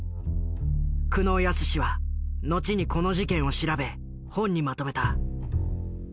久能靖は後にこの事件を調べ本にまとめた。